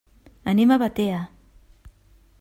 Anem a Batea.